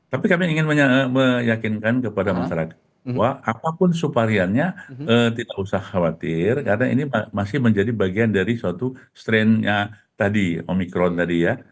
tapi kami ingin meyakinkan kepada masyarakat bahwa apapun subvariannya tidak usah khawatir karena ini masih menjadi bagian dari suatu strain tadi omikron tadi ya